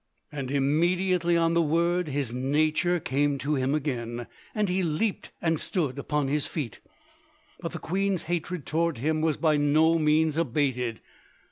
And immediately on the word his nature came to him again, and he leaped and stood upon his feet. But the queen's hatred towards him was by no means abated.